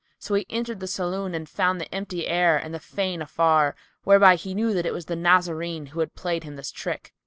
So he entered the saloon and found the empty air and the fane afar;[FN#291] whereby he knew that it was the Nazarene who had played him this trick.